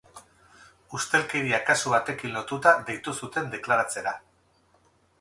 Ustelkeria kasu batekin lotuta deitu zuten deklaratzera.